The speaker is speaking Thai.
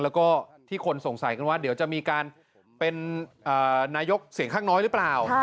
แล้วก็ที่คนสงสัยกันว่าเดี๋ยวจะมีการเป็นนายกเสียงข้างน้อยหรือเปล่า